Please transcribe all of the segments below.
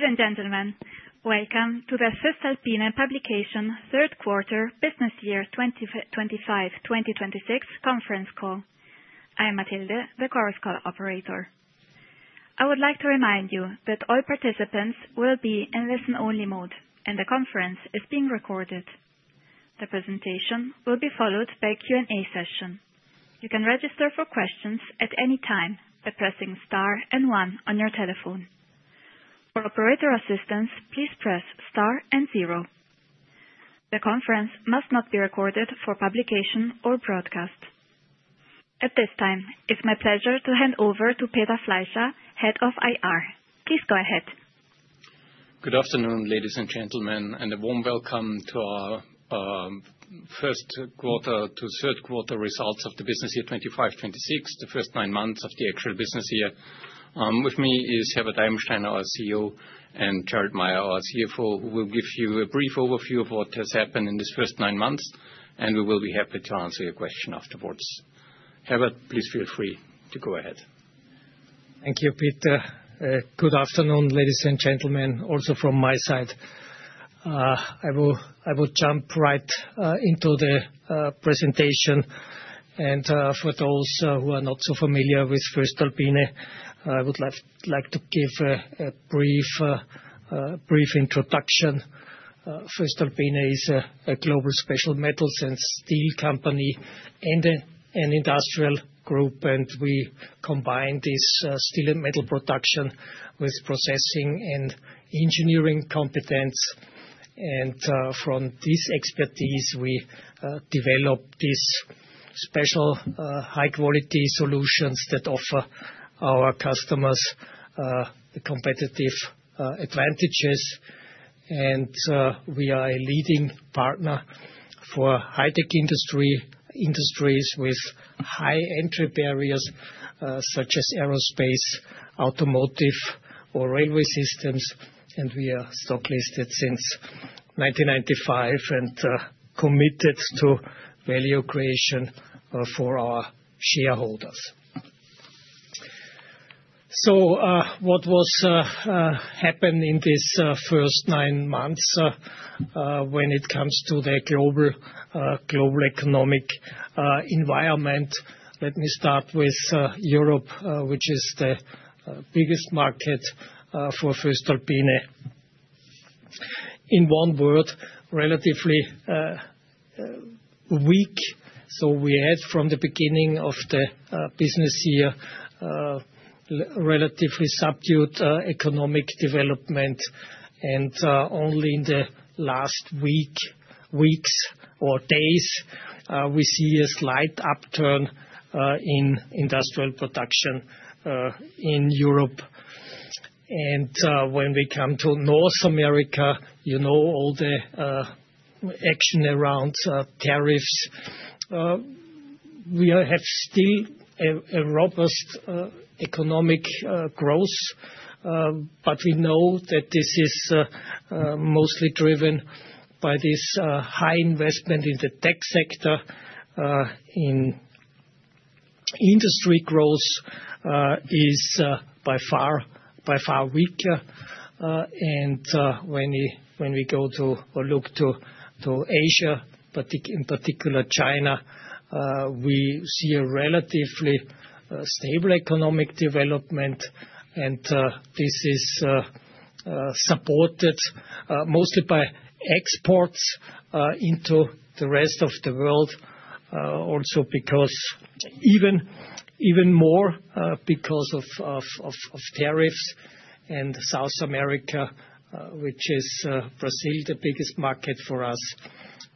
Ladies and gentlemen, welcome to the voestalpine publication third quarter, business year 2025-2026 conference call. I am Mathilde, the Chorus Call operator. I would like to remind you that all participants will be in listen-only mode, and the conference is being recorded. The presentation will be followed by a Q&A session. You can register for questions at any time by pressing star and one on your telephone. For operator assistance, please press star and zero. The conference must not be recorded for publication or broadcast. At this time, it's my pleasure to hand over to Peter Fleischer, head of IR. Please go ahead. Good afternoon, ladies and gentlemen, and a warm welcome to our first quarter to third quarter results of the business year 2025-2026, the first nine months of the actual business year. With me is Herbert Eibensteiner, our CEO, and Gerald Mayer, our CFO, who will give you a brief overview of what has happened in these first nine months, and we will be happy to answer your question afterwards. Herbert, please feel free to go ahead. Thank you, Peter. Good afternoon, ladies and gentlemen, also from my side. I will jump right into the presentation. For those who are not so familiar with voestalpine, I would like to give a brief introduction. voestalpine is a global special metals and steel company and an industrial group, and we combine this steel and metal production with processing and engineering competence. From this expertise, we develop these special high-quality solutions that offer our customers the competitive advantages. We are a leading partner for high-tech industries with high entry barriers, such as aerospace, automotive, or Railway Systems, and we are stock-listed since 1995 and committed to value creation for our shareholders. So, what happened in this first nine months, when it comes to the global economic environment? Let me start with Europe, which is the biggest market for voestalpine. In one word, relatively weak. So we had from the beginning of the business year a relatively subdued economic development, and only in the last few weeks or days we see a slight upturn in industrial production in Europe. And when we come to North America, you know all the action around tariffs. We have still a robust economic growth, but we know that this is mostly driven by this high investment in the tech sector. In industry growth is by far weaker. And when we go to or look to Asia, in particular China, we see a relatively stable economic development, and this is supported mostly by exports into the rest of the world, also because even more because of tariffs. And South America, which is Brazil, the biggest market for us,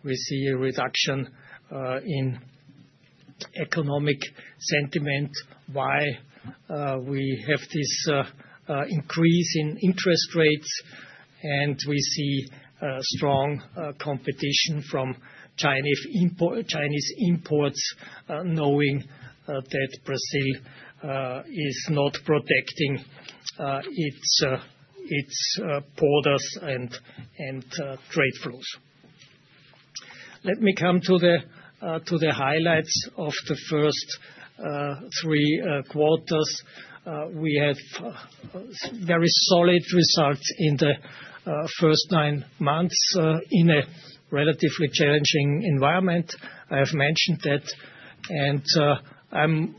we see a reduction in economic sentiment. Why, we have this increase in interest rates, and we see strong competition from Chinese imports, knowing that Brazil is not protecting its borders and trade flows. Let me come to the highlights of the first three quarters. We have very solid results in the first nine months, in a relatively challenging environment. I have mentioned that, and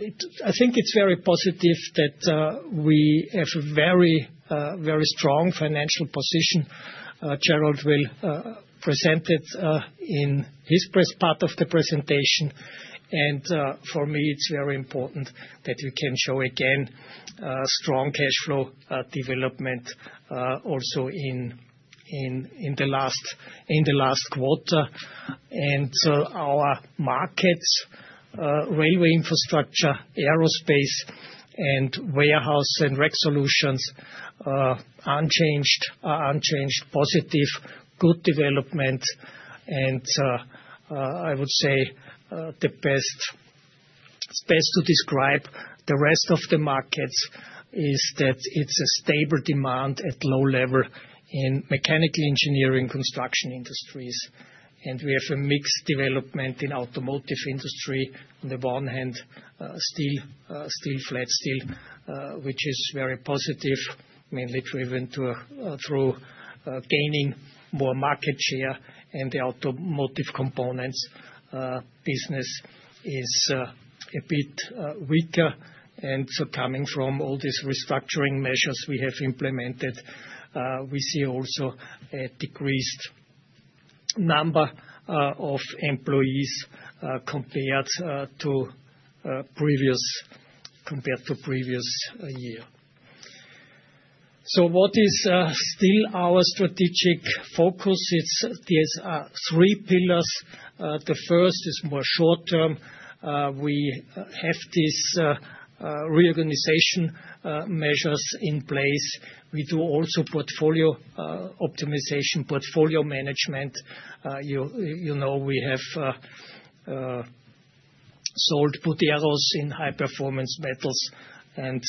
I think it's very positive that we have a very, very strong financial position. Gerald will present it in his press part of the presentation, and for me, it's very important that we can show again strong cash flow development, also in the last quarter. Our markets, railway infrastructure, aerospace, and Warehouse and Rack Solutions, unchanged, positive, good development. I would say, the best it's best to describe the rest of the markets is that it's a stable demand at low level in mechanical engineering construction industries. We have a mixed development in automotive industry on the one hand, steel flat steel, which is very positive, mainly driven through gaining more market share, and the Automotive Components business is a bit weaker. So coming from all these restructuring measures we have implemented, we see also a decreased number of employees compared to previous year. So what is still our strategic focus? It's, there's three pillars. The first is more short term. We have these reorganization measures in place. We do also portfolio optimization, portfolio management. you know we have sold Buderus in High Performance Metals, and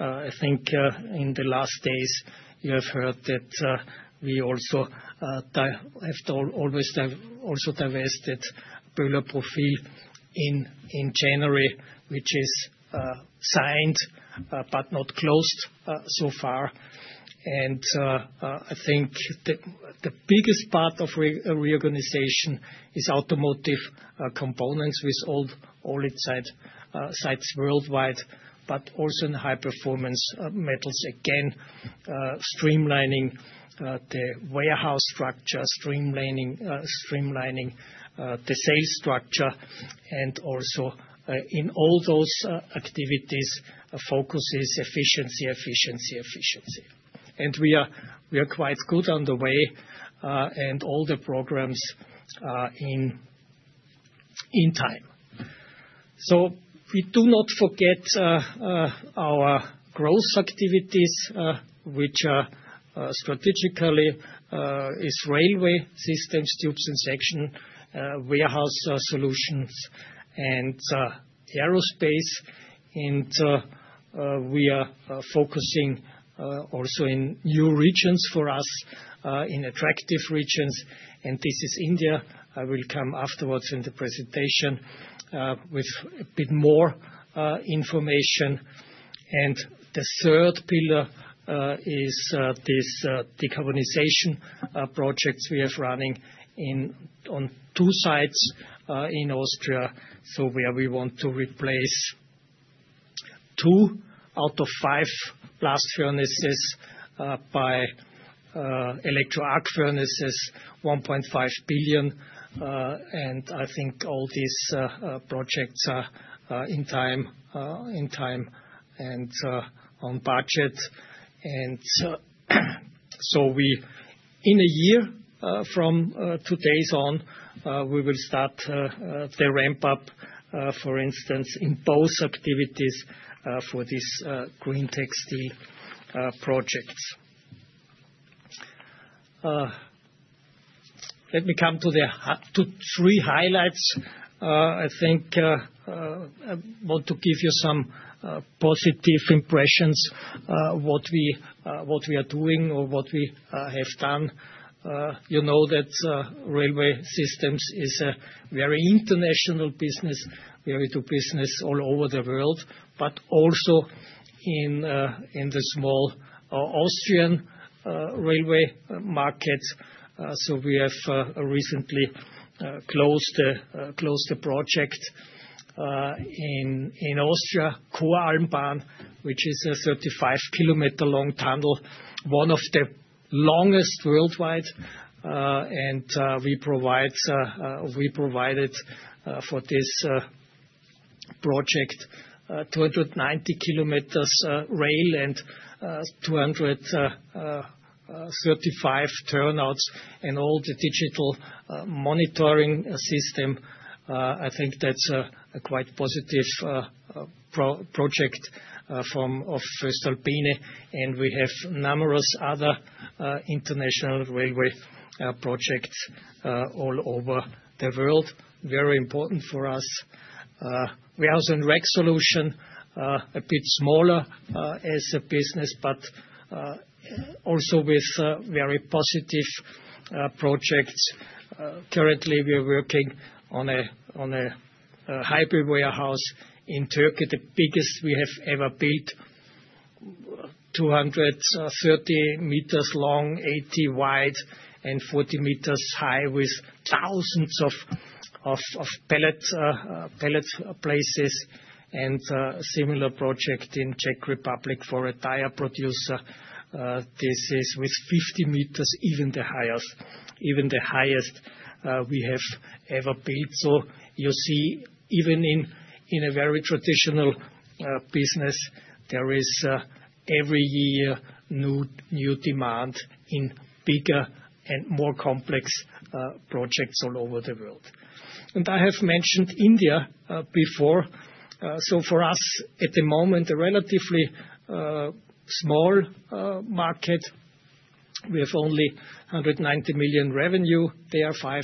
I think in the last days you have heard that we also have divested BÖHLER Profil in January, which is signed but not closed so far. And I think the biggest part of reorganization is Automotive Components. We sold all its sites worldwide, but also High Performance Metals. again, streamlining the warehouse structure, streamlining the sales structure, and also in all those activities, focus is efficiency, efficiency, efficiency. And we are quite good on the way, and all the programs in time. So we do not forget our growth activities, which are strategically Railway Systems, Tubes and Sections, warehouse solutions, and aerospace. And we are focusing also in new regions for us, in attractive regions, and this is India. I will come afterwards in the presentation with a bit more information. The third pillar is this decarbonization projects we have running on two sites in Austria, so where we want to replace two out of five blast furnaces by electric arc furnaces, 1.5 billion, and I think all these projects are on time and on budget. So in a year from today on we will start the ramp-up, for instance, in both activities for these greentec steel projects. Let me come to the top three highlights. I think I want to give you some positive impressions what we are doing or what we have done. You know that Railway Systems is a very international business where we do business all over the world, but also in the small Austrian railway markets. So we have recently closed the project in Austria, Koralmbahn, which is a 35 km-long tunnel, one of the longest worldwide, and we provided for this project 290 km of rail and 235 turnouts, and all the digital monitoring system. I think that's a quite positive project from voestalpine, and we have numerous other international railway projects all over the world, very important for us. We are also in Rack Solutions, a bit smaller as a business, but also with very positive projects. Currently we are working on a hybrid warehouse in Turkey, the biggest we have ever built, 230 m long, 80 m wide, and 40 m high, with thousands of pallet places, and a similar project in Czech Republic for a tire producer. This is with 50 m even the highest we have ever built. So you see even in a very traditional business, there is every year new demand in bigger and more complex projects all over the world. And I have mentioned India before. So for us at the moment, a relatively small market. We have only 190 million revenue. There are five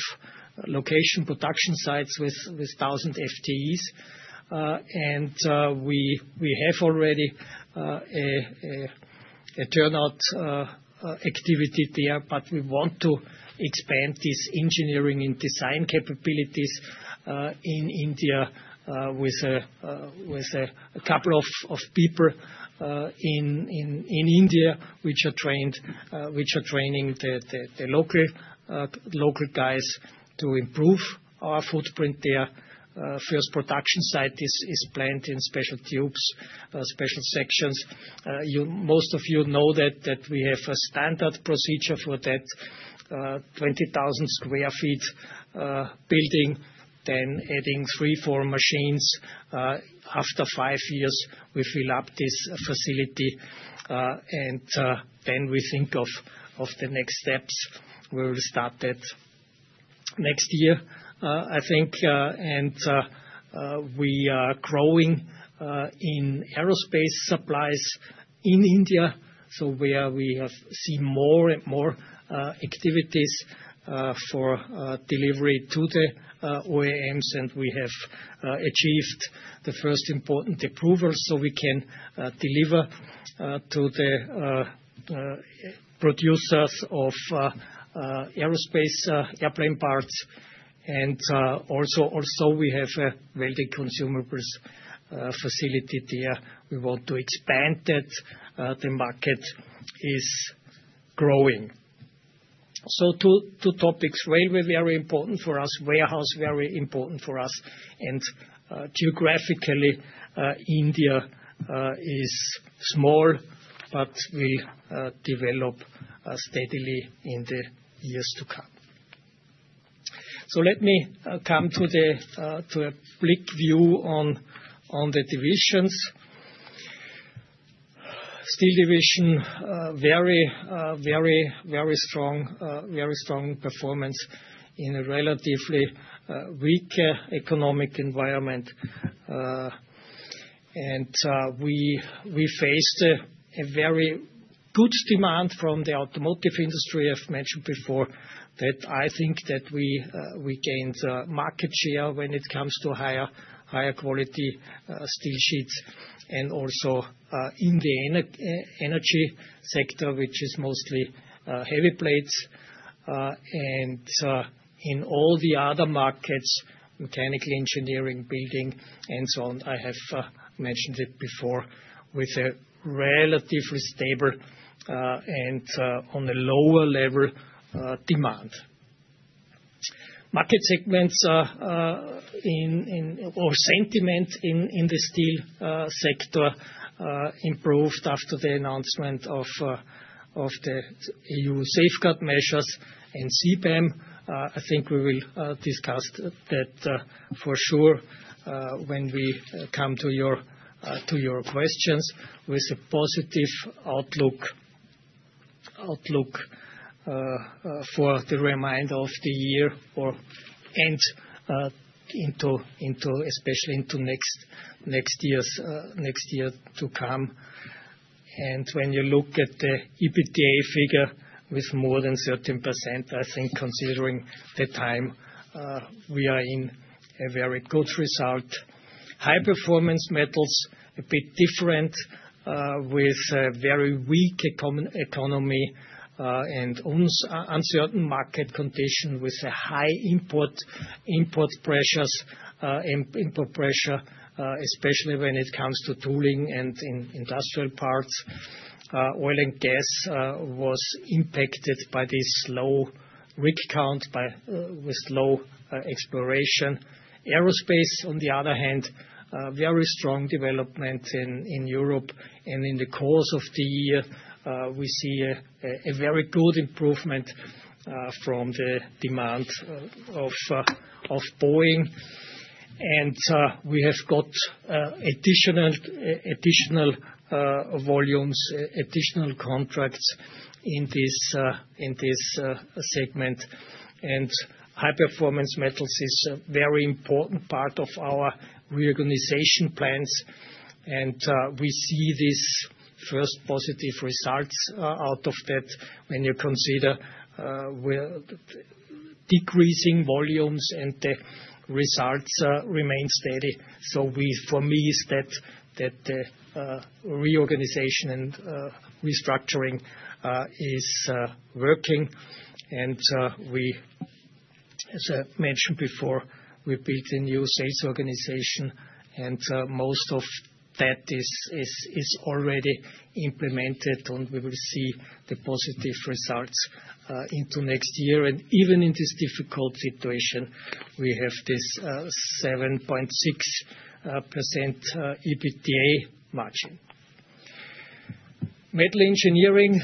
location production sites with 1,000 FTEs. And we have already a turnout activity there, but we want to expand these engineering and design capabilities in India with a couple of people in India which are training the local guys to improve our footprint there. First production site is planned in special tubes, special sections. Most of you know that we have a standard procedure for that, 20,000 sq ft building, then adding three to four machines. after five years we fill up this facility, and then we think of the next steps. We will start that next year, I think, and we are growing in aerospace supplies. In India, so where we have seen more and more activities for delivery to the OEMs, and we have achieved the first important approvals so we can deliver to the producers of aerospace airplane parts. And also we have a welding consumables facility there. We want to expand that. The market is growing. So two topics. Railway very important for us. Warehouse very important for us. And geographically, India is small, but will develop steadily in the years to come. So let me come to a quick view on the Divisions. Steel Division, very, very, very strong, very strong performance in a relatively weaker economic environment. We faced a very good demand from the automotive industry. I have mentioned before that I think that we gained market share when it comes to higher quality steel sheets. And also, in the energy sector, which is mostly heavy plates. In all the other markets, mechanical engineering, building, and so on, I have mentioned it before, with a relatively stable and on a lower level demand. Market sentiment in the steel sector improved after the announcement of the EU safeguard measures and CBAM. I think we will discuss that for sure when we come to your questions. With a positive outlook for the remainder of the year and into especially next year to come. When you look at the EBITDA figure with more than 13%, I think considering the time, we are in a very good result. High Performance Metals, a bit different, with a very weak economy, and uncertain market condition with a high import pressure, especially when it comes to tooling and industrial parts. Oil and gas was impacted by this low rig count with low exploration. Aerospace, on the other hand, very strong development in Europe, and in the course of the year, we see a very good improvement from the demand of Boeing. And we have got additional volumes, additional contracts in this segment. High Performance Metals is a very important part of our reorganization plans, and we see these first positive results out of that when you consider we're decreasing volumes and the results remain steady. So, for me, it is that the reorganization and restructuring is working. And we, as I mentioned before, we built a new sales organization, and most of that is already implemented, and we will see the positive results into next year. And even in this difficult situation, we have this 7.6% EBITDA margin. Metal Engineering,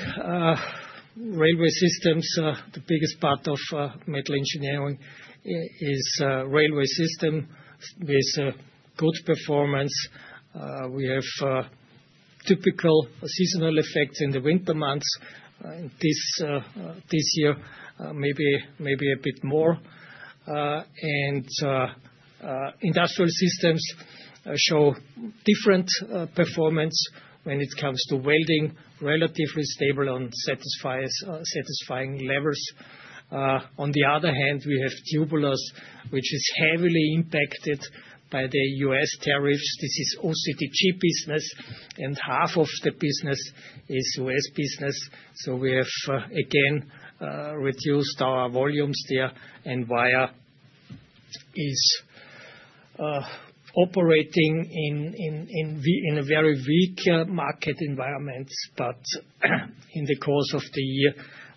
Railway Systems, the biggest part of Metal Engineering is Railway Systems with good performance. We have typical seasonal effects in the winter months, in this year, maybe a bit more. And Industrial Systems show different performance when it comes to welding, relatively stable at satisfactory levels. On the other hand, we have Tubulars, which is heavily impacted by the U.S. tariffs. This is OCTG business, and half of the business is U.S. business, so we have, again, reduced our volumes there, and Wire is operating in a very weak market environment. But in the course of the year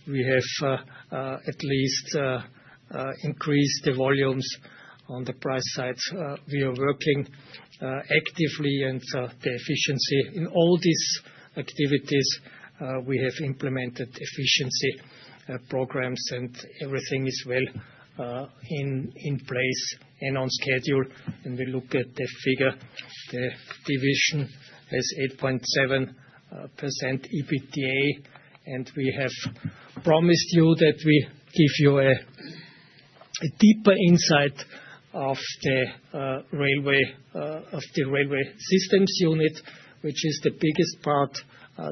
we have, at least, increased the volumes on the price sides. We are working actively on the efficiency in all these activities. We have implemented efficiency programs, and everything is well in place and on schedule. And we look at the figure. The Division has 8.7% EBITDA, and we have promised you that we give you a deeper insight of the railway of the Railway Systems unit, which is the biggest part,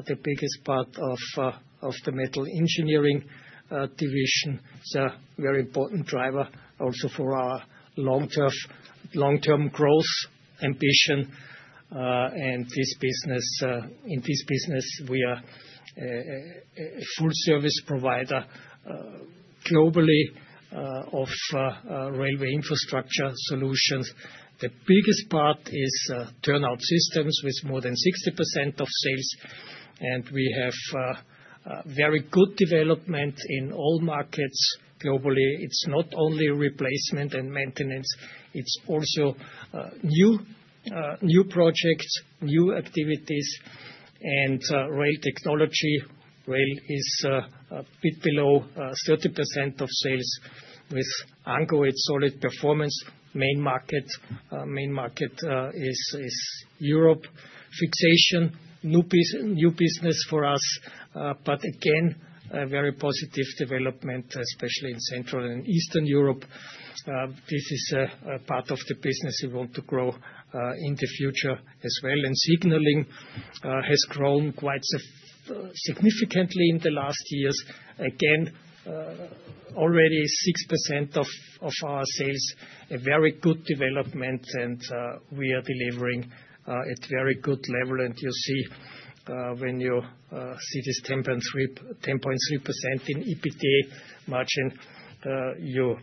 the biggest part of of the Metal Engineering Division. It's a very important driver also for our long-term growth ambition, and this business. In this business we are a full-service provider, globally, of railway infrastructure solutions. The biggest part is turnout systems with more than 60% of sales, and we have very good development in all markets globally. It's not only replacement and maintenance, it's also new projects, new activities, and Rail Technology. Rail is a bit below 30% of sales with ongoing solid performance. Main market is Europe. This is new business for us, but again, very positive development, especially in Central and Eastern Europe. This is a part of the business we want to grow in the future as well. And Signaling has grown quite significantly in the last years. Again, already 6% of our sales, a very good development, and we are delivering at very good level. You see, when you see this 10.3% EBITDA margin, you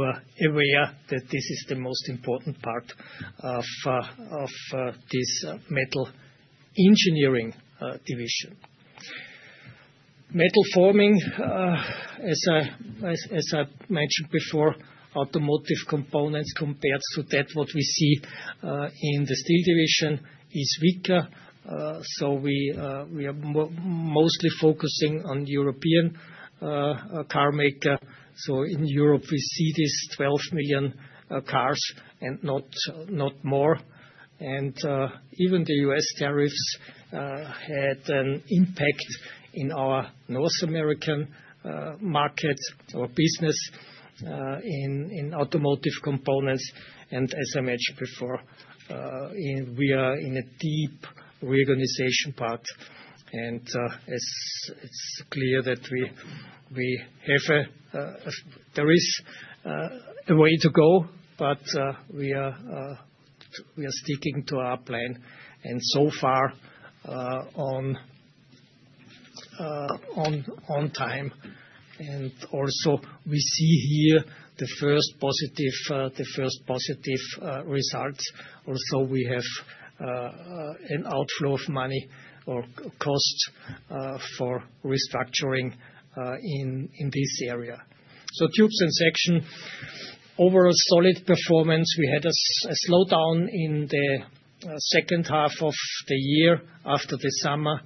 are aware that this is the most important part of this Metal Engineering Division. Metal Forming, as I mentioned before, Automotive Components compared to what we see in the Steel Division is weaker. So we are mostly focusing on European carmakers. So in Europe we see this 12 million cars and not more. And even the U.S. tariffs had an impact in our North American market, our business in Automotive Components. And as I mentioned before, we are in a deep reorganization part, and as it's clear that we have a way to go, but we are sticking to our plan. And so far, on time. And also we see here the first positive results. Also we have an outflow of money or costs for restructuring in this area. So Tubes and Sections. Overall solid performance. We had a slowdown in the second half of the year after the summer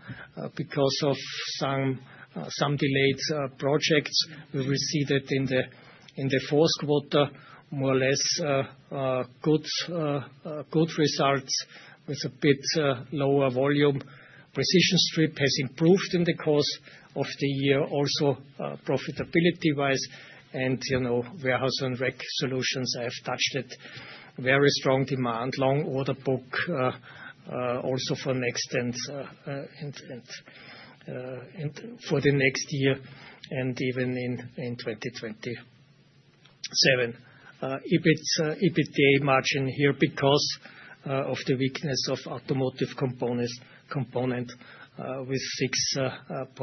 because of some delayed projects. We've receded in the fourth quarter, more or less, good results with a bit lower volume. Precision Strip has improved in the course of the year also, profitability-wise. And you know, Warehouse and Rack Solutions, I have touched it. Very strong demand, long order book, also for next year, and even in 2027. EBITDA margin here because of the weakness of Automotive Components with 6.3%.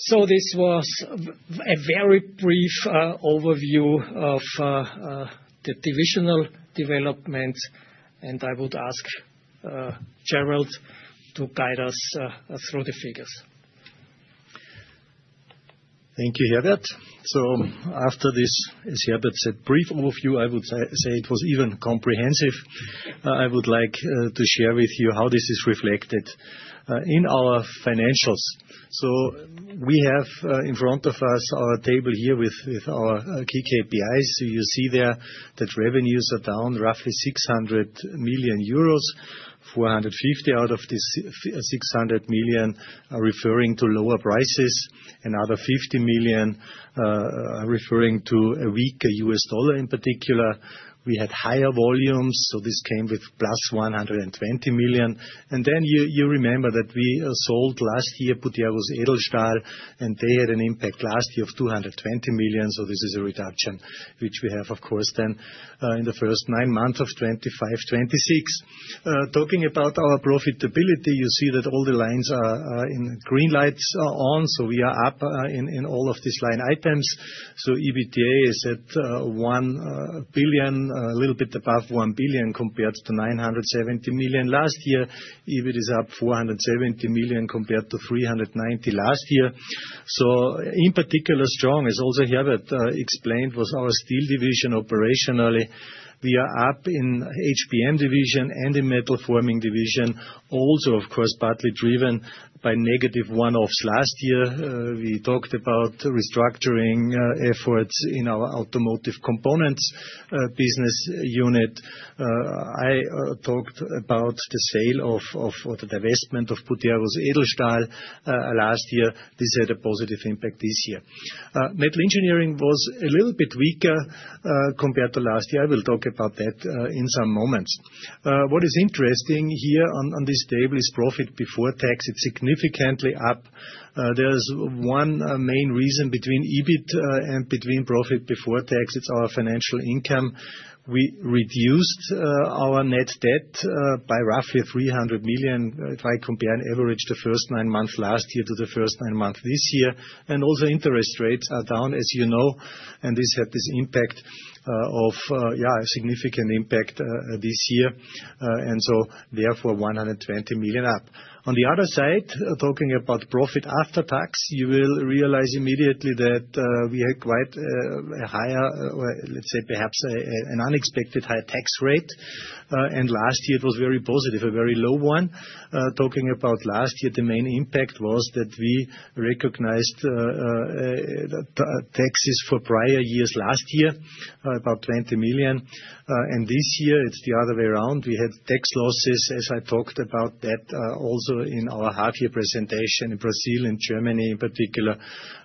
So this was a very brief overview of the Divisional developments, and I would ask Gerald to guide us through the figures. Thank you, Herbert. So after this, as Herbert said, brief overview, I would say it was even comprehensive. I would like to share with you how this is reflected in our financials. So we have in front of us our table here with our key KPIs. So you see there that revenues are down roughly 600 million euros. 450 million out of this 600 million are referring to lower prices, another 50 million referring to a weaker U.S. dollar in particular. We had higher volumes, so this came with plus 120 million. And then you remember that we sold last year Buderus Edelstahl, and they had an impact last year of 220 million, so this is a reduction which we have, of course, then in the first nine months of 2025/2026. Talking about our profitability, you see that all the lines are in green, lights are on, so we are up in all of these line items. So EBITDA is at 1 billion, a little bit above 1 billion compared to 970 million last year. EBIT is up 470 million compared to 390 million last year. So in particular strong, as also Herbert explained, was our Steel Division operationally. We are up in HPM Division and in Metal Forming Division, also of course partly driven by negative one-offs last year. We talked about restructuring efforts in our Automotive Components business unit. I talked about the sale of or the divestment of Buderus Edelstahl last year. This had a positive impact this year. Metal Engineering was a little bit weaker compared to last year. I will talk about that in some moments. What is interesting here on this table is profit before tax. It's significantly up. There's one main reason between EBIT and between profit before tax. It's our financial income. We reduced our net debt by roughly 300 million if I compare and average the first nine months last year to the first nine months this year. And also interest rates are down, as you know, and this had this impact of yeah a significant impact this year, and so therefore 120 million up. On the other side, talking about profit after tax, you will realize immediately that we had quite a higher or let's say perhaps an unexpected higher tax rate. Last year it was very positive, a very low one. Talking about last year, the main impact was that we recognized taxes for prior years last year, about 20 million. This year it's the other way around. We had tax losses, as I talked about that, also in our half-year presentation in Brazil, in Germany in particular,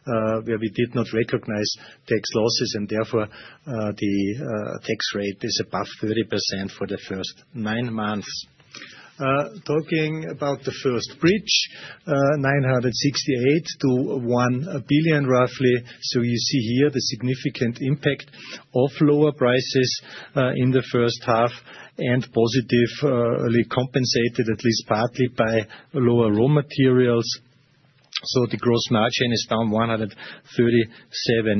where we did not recognize tax losses, and therefore the tax rate is above 30% for the first nine months. Talking about the first bridge, 968 million to 1 billion roughly. So you see here the significant impact of lower prices in the first half and positively compensated at least partly by lower raw materials. So the gross margin is down 137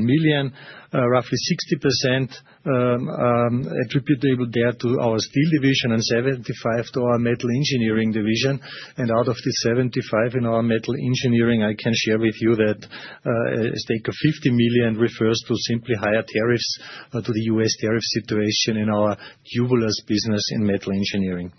million, roughly 60%, attributable there to our Steel Division and 75 million to our Metal Engineering Division. And out of the 75 million in our Metal Engineering, I can share with you that, a stake of 50 million refers to simply higher tariffs, to the U.S. tariff situation in our Tubulars business in Metal Engineering.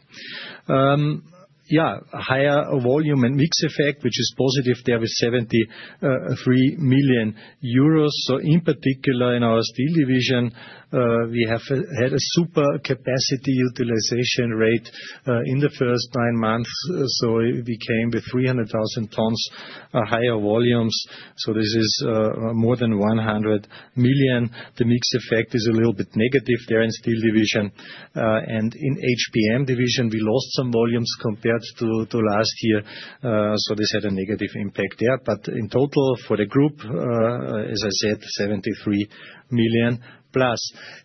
Yeah, higher volume and mix effect, which is positive there with 73 million euros. So in particular in our Steel Division, we have had a super capacity utilization rate, in the first nine months, so we came with 300,000 tons, higher volumes. So this is, more than 100 million. The mix effect is a little bit negative there in Steel Division, and in HPM Division we lost some volumes compared to last year, so this had a negative impact there. But in total for the group, as I said, 73 million+.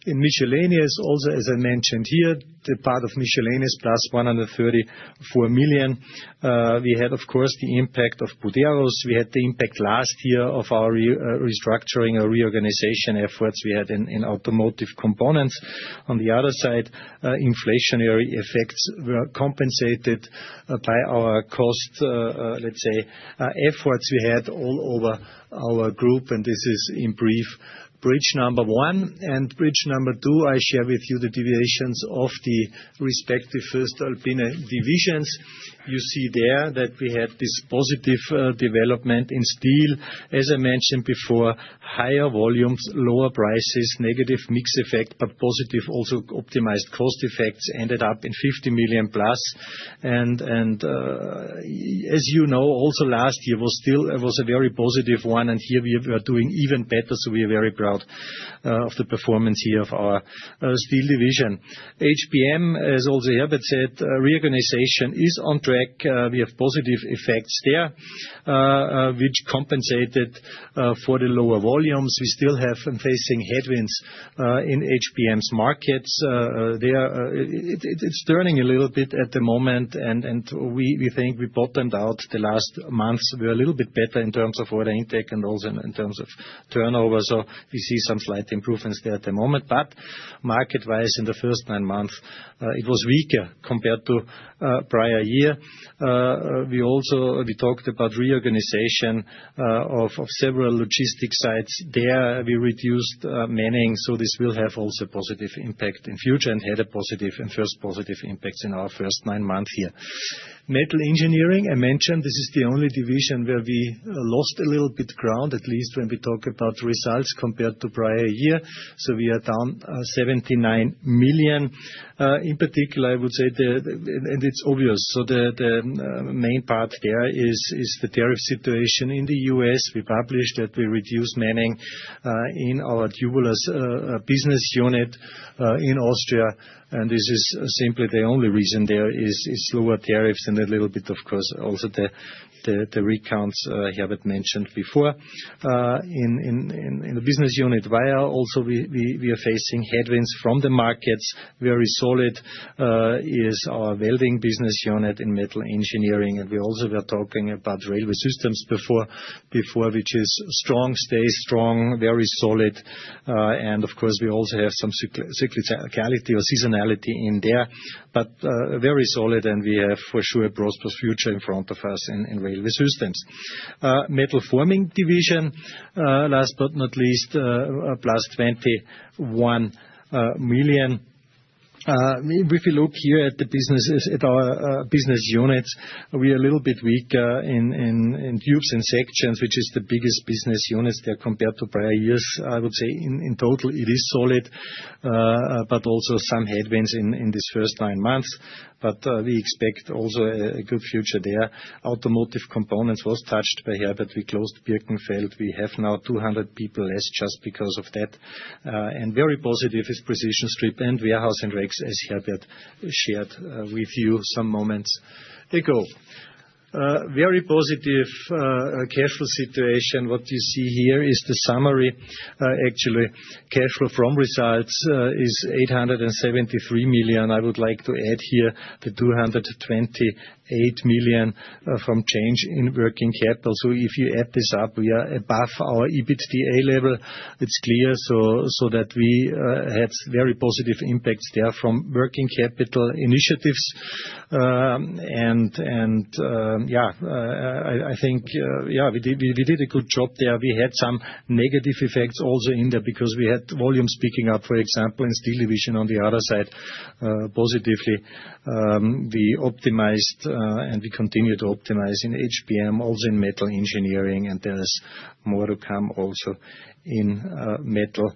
In Miscellaneous is also, as I mentioned here, the part of Miscellaneous is plus 134 million. We had, of course, the impact of Buderus. We had the impact last year of our re-restructuring or reorganization efforts we had in, in Automotive Components. On the other side, inflationary effects were compensated, by our cost, let's say, efforts we had all over our group, and this is in brief bridge number one. And bridge number two, I share with you the deviations of the respective voestalpine Divisions. You see there that we had this positive, development in steel. As I mentioned before, higher volumes, lower prices, negative mix effect, but positive also optimized cost effects ended up in EUR 50 million+. As you know, also last year was still a very positive one, and here we were doing even better, so we are very proud of the performance here of our Steel Division. HPM, as also Herbert said, reorganization is on track. We have positive effects there, which compensated for the lower volumes. We still have facing headwinds in HPM's markets. There, it's turning a little bit at the moment, and we think we bottomed out the last months. We're a little bit better in terms of order intake and also in terms of turnover, so we see some slight improvements there at the moment. But market-wise in the first nine months, it was weaker compared to prior year. We also talked about reorganization of several logistics sites. There we reduced manning, so this will have also positive impact in future and had a positive and first positive impacts in our first nine months here. Metal Engineering, I mentioned, this is the only Division where we lost a little bit ground, at least when we talk about results compared to prior year, so we are down 79 million. In particular I would say, and it's obvious. So the main part there is the tariff situation in the U.S. We published that we reduced manning in our Tubulars business unit in Austria, and this is simply the only reason there is lower tariffs and a little bit, of course, also the rig counts Herbert mentioned before. In the business unit, we also are facing headwinds from the markets. Very solid, is our welding business unit in Metal Engineering, and we also were talking about Railway Systems before, before, which is strong, stays strong, very solid, and of course we also have some cyclicality or seasonality in there. But, very solid, and we have for sure a prosperous future in front of us in, in Railway Systems. Metal Forming Division, last but not least, plus 21 million. If we look here at the businesses at our, business units, we are a little bit weaker in, in, in Tubes and Sections, which is the biggest business units there compared to prior years. I would say in, in total it is solid, but also some headwinds in, in these first nine months. But, we expect also a, a good future there. Automotive components was touched by Herbert. We closed Birkenfeld. We have now 200 people less just because of that, and very positive is precision strip and warehouse and racks, as Herbert shared with you some moments ago. Very positive cash flow situation. What you see here is the summary, actually. Cash flow from results is 873 million. I would like to add here the 228 million from change in working capital. So if you add this up, we are above our EBITDA level. It's clear, so that we had very positive impacts there from working capital initiatives, and yeah, I think yeah, we did a good job there. We had some negative effects also in there because we had volumes picking up, for example, in Steel Division on the other side, positively. We optimized, and we continue to optimize in HPM, also in Metal Engineering, and there is more to come also in Metal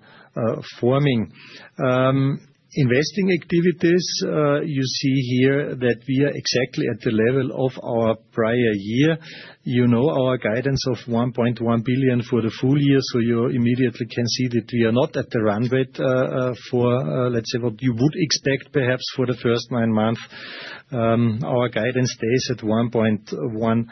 Forming. Investing activities, you see here that we are exactly at the level of our prior year. You know our guidance of 1.1 billion for the full year, so you immediately can see that we are not at the run rate for, let's say what you would expect perhaps for the first nine months. Our guidance stays at 1.1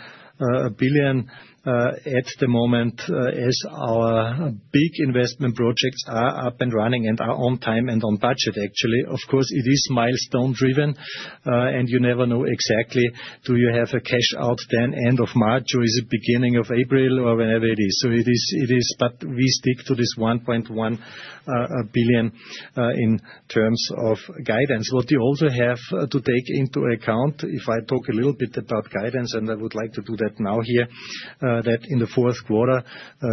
billion at the moment, as our big investment projects are up and running and are on time and on budget, actually. Of course it is milestone-driven, and you never know exactly do you have a cash out then end of March or is it beginning of April or whenever it is. So it is but we stick to this 1.1 billion in terms of guidance. What you also have to take into account, if I talk a little bit about guidance, and I would like to do that now here, that in the fourth quarter,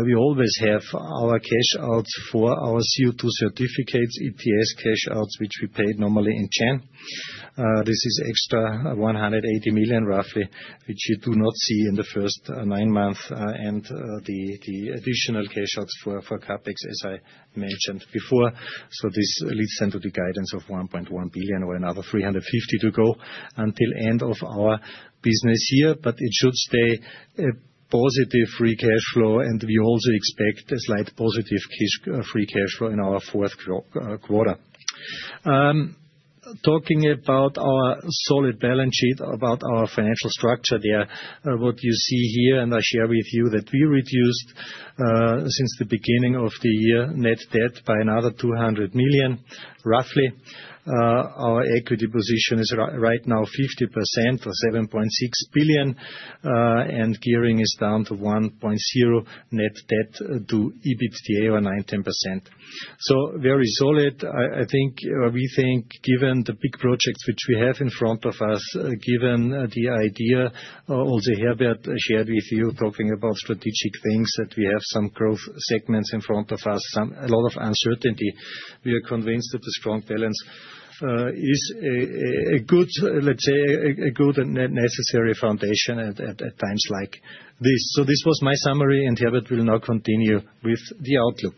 we always have our cash outs for our CO2 certificates, ETS cash outs, which we paid normally in Q1. This is extra 180 million roughly, which you do not see in the first nine months, and the additional cash outs for CapEx, as I mentioned before. So this leads then to the guidance of 1.1 billion or another 350 million to go until end of our business year, but it should stay a positive free cash flow, and we also expect a slight positive free cash flow in our fourth quarter. Talking about our solid balance sheet, about our financial structure there, what you see here, and I share with you that we reduced, since the beginning of the year, net debt by another 200 million, roughly. Our equity position is right now 50% or 7.6 billion, and gearing is down to 1.0 net debt to EBITDA or 19%. So very solid. I think we think, given the big projects which we have in front of us, given the idea, also Herbert shared with you talking about strategic things that we have some growth segments in front of us, some, a lot of uncertainty, we are convinced that the strong balance is a good, let's say, a good and necessary foundation at times like this. So this was my summary, and Herbert will now continue with the outlook.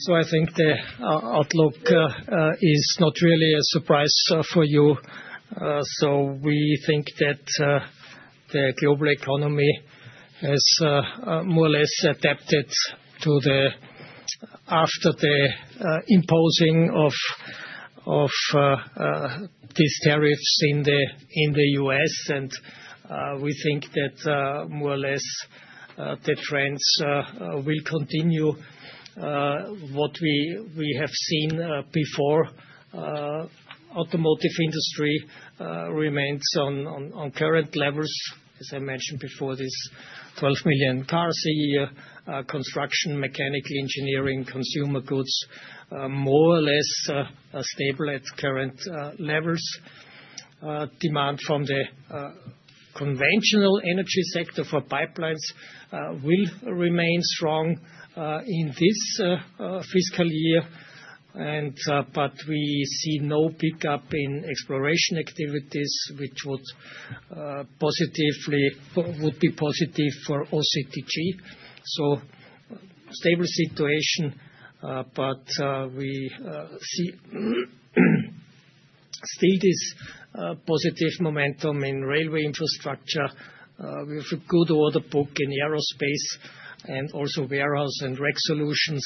So I think the outlook is not really a surprise for you. So we think that the global economy has more or less adapted after the imposing of these tariffs in the U.S., and we think that more or less the trends will continue. What we have seen before, automotive industry remains on current levels. As I mentioned before, these 12 million cars a year, construction, mechanical engineering, consumer goods more or less stable at current levels. Demand from the conventional energy sector for pipelines will remain strong in this fiscal year, and but we see no pickup in exploration activities, which would be positive for OCTG. So, stable situation, but we see still this positive momentum in railway infrastructure. We have a good order book in aerospace and also Warehouse and Rack Solutions.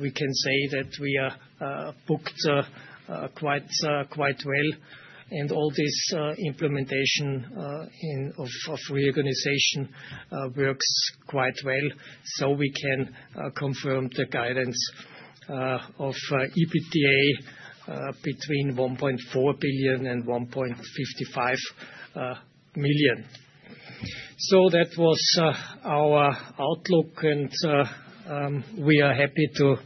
We can say that we are booked quite well, and all this implementation of our reorganization works quite well, so we can confirm the guidance of EBITDA between 1.4 billion and 1.55 billion. So that was our outlook, and we are happy to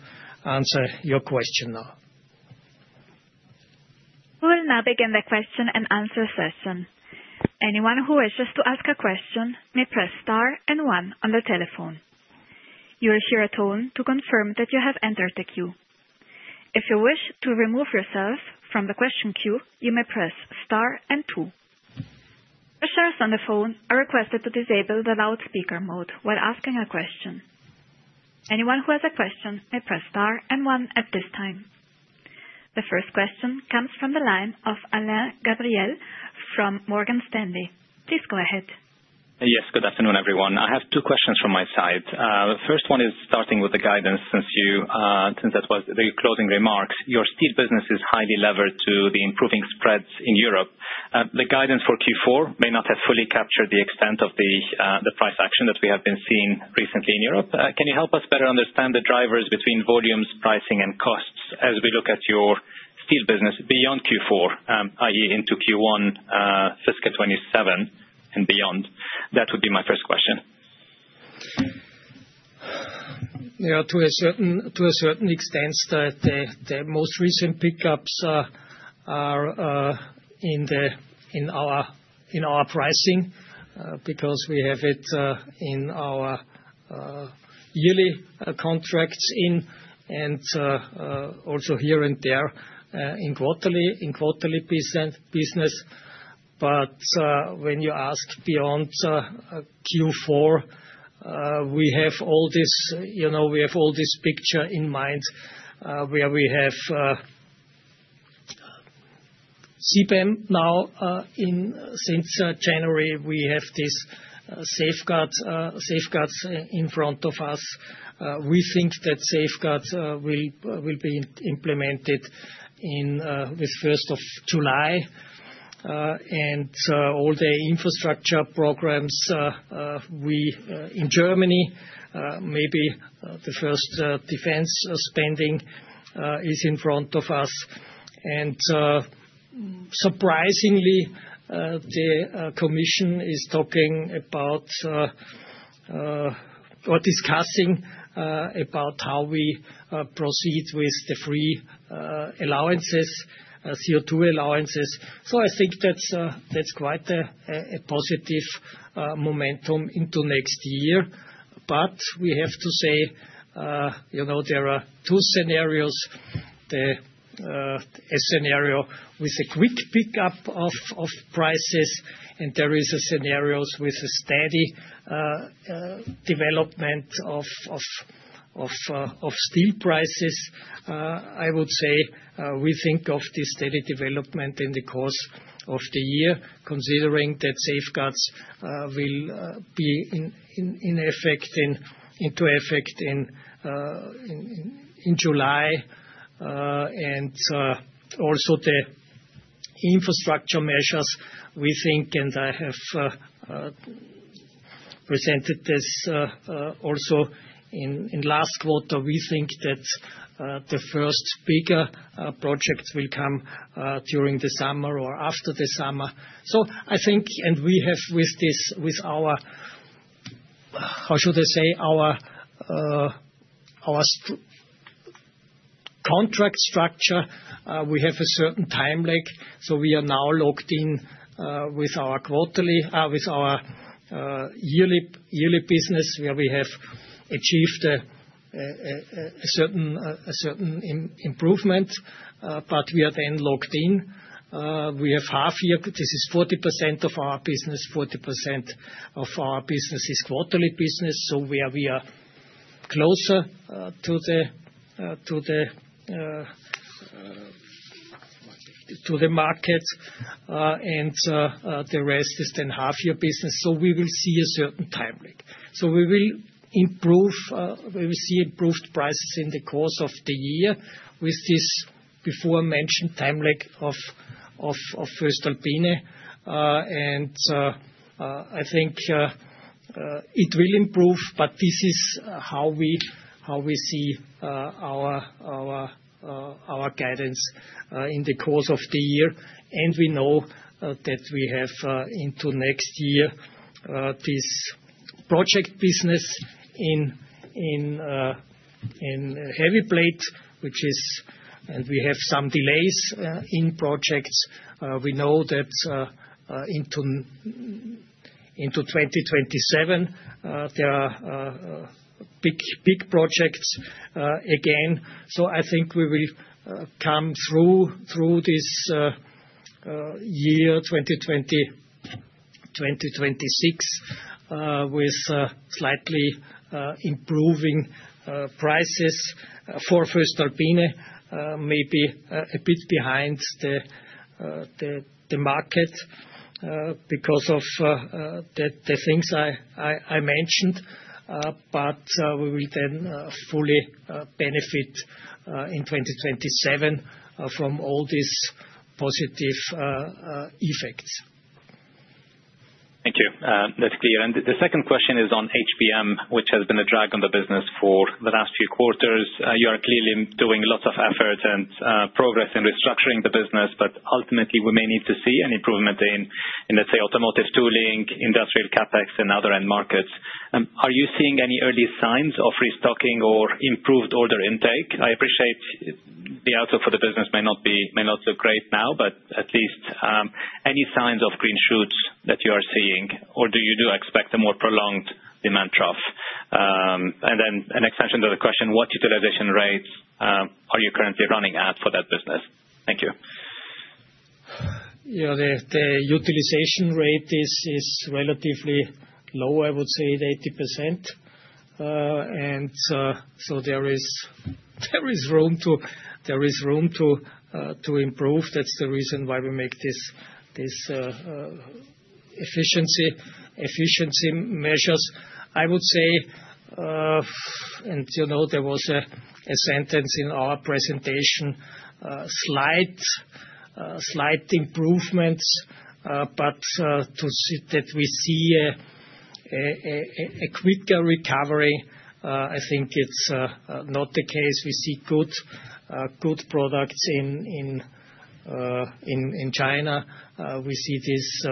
answer your question now. We will now begin the question and answer session. Anyone who wishes to ask a question may press star and one on the telephone. You will hear a tone to confirm that you have entered the queue. If you wish to remove yourself from the question queue, you may press star and two. Persons on the phone are requested to disable the loudspeaker mode while asking a question. Anyone who has a question may press star and one at this time. The first question comes from the line of Alain Gabriel from Morgan Stanley. Please go ahead. Yes, good afternoon, everyone. I have two questions from my side. The first one is starting with the guidance, since that was the closing remarks. Your Steel business is highly levered to the improving spreads in Europe. The guidance for Q4 may not have fully captured the extent of the price action that we have been seeing recently in Europe. Can you help us better understand the drivers between volumes, pricing, and costs as we look at your Steel business beyond Q4, i.e., into Q1, fiscal 2027 and beyond? That would be my first question. Yeah, to a certain extent, the most recent pickups are in our pricing, because we have it in our yearly contracts and also here and there in quarterly business. But when you ask beyond Q4, we have all this, you know, we have all this picture in mind, where we have CBAM now in since January. We have this safeguard safeguards in front of us. We think that safeguards will be implemented in with 1st of July, and all the infrastructure programs in Germany, maybe the first defense spending is in front of us. Surprisingly, the commission is talking about or discussing about how we proceed with the free allowances, CO2 allowances. So I think that's quite a positive momentum into next year. But we have to say, you know, there are two scenarios. A scenario with a quick pickup of prices, and there is a scenario with a steady development of steel prices. I would say, we think of the steady development in the course of the year, considering that safeguards will come into effect in July, and also the infrastructure measures. We think, and I have presented this also in last quarter, we think that the first bigger projects will come during the summer or after the summer. So I think, and we have with this with our, how should I say, our contract structure, we have a certain time lag, so we are now locked in with our quarterly with our yearly business where we have achieved a certain improvement, but we are then locked in. We have half here. This is 40% of our business. 40% of our business is quarterly business, so where we are closer to the markets, and the rest is then half-year business. So we will see a certain time lag. So we will see improved prices in the course of the year with this before-mentioned time lag of voestalpine, and I think it will improve, but this is how we see our guidance in the course of the year. And we know that we have into next year this project business in Heavy Plate, which is and we have some delays in projects. We know that into 2027 there are big projects again. So I think we will come through this year, 2026, with slightly improving prices for voestalpine, maybe a bit behind the market, because of the things I mentioned, but we will then fully benefit in 2027 from all these positive effects. Thank you. That's clear. And the second question is on HPM, which has been a drag on the business for the last few quarters. You are clearly doing lots of efforts and progress in restructuring the business, but ultimately we may need to see an improvement in, let's say, automotive tooling, industrial CapEx, and other end markets. Are you seeing any early signs of restocking or improved order intake? I appreciate the outlook for the business may not look great now, but at least any signs of green shoots that you are seeing, or do you expect a more prolonged demand trough? And then an extension to the question, what utilization rates are you currently running at for that business? Thank you. Yeah, the utilization rate is relatively low, I would say, at 80%. And so there is room to improve. That's the reason why we make these efficiency measures. I would say, and you know, there was a sentence in our presentation, slight improvements, but to see that we see a quicker recovery, I think it's not the case. We see good products in China. We see this